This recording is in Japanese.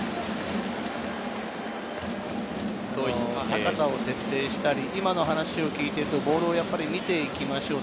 高さを設定したり、今の話を聞いていてボールをやっぱり見ていきましょう。